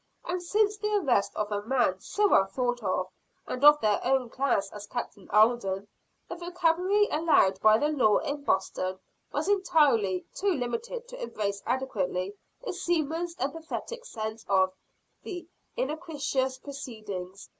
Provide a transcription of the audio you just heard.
And since the arrest of a man so well thought of, and of their own class as Captain Alden, the vocabulary allowed by the law in Boston was entirely too limited to embrace adequately a seaman's emphatic sense of the iniquitous proceedings.